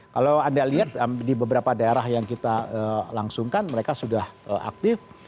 kalau anda lihat di beberapa daerah yang kita langsungkan mereka sudah aktif